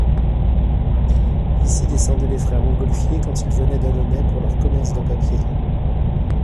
Ici descendaient les frères Montgolfier quand ils venaient d'Annonay pour leur commerce de papier.